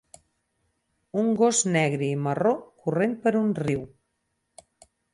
un gos negre i marró corrent per un riu